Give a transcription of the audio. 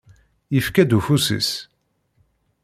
Yefka-d ufus-is.